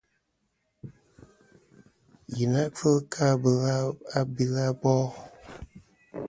Yì na kfel kɨ abil abol.